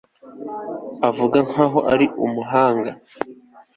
Avuga nkaho ari umuhanga